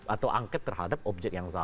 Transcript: atau angket terhadap objek yang salah